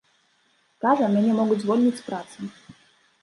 Кажа, мяне могуць звольніць з працы.